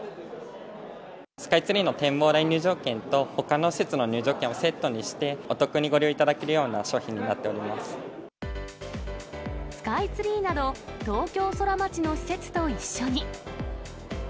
スカイツリーの展望台入場券と、ほかの施設の入場券をセットにして、お得にご利用いただけるようスカイツリーなど、東京ソラマチの施設と一緒に。